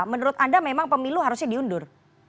menurut anda memang pemilu harusnya diundur